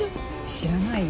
知らないよ。